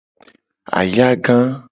Ayaga.